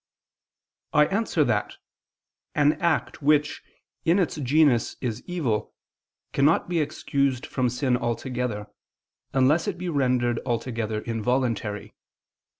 I answer that, An act which, in its genus, is evil, cannot be excused from sin altogether, unless it be rendered altogether involuntary.